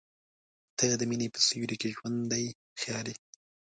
• ته د مینې په سیوري کې ژوندی خیال یې.